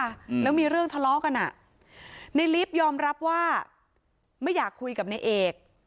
อืมแล้วมีเรื่องทะเลาะกันอ่ะในลิฟต์ยอมรับว่าไม่อยากคุยกับนายเอก